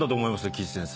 岸先生。